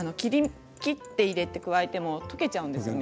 切って入れて加えても溶けちゃうんですよね。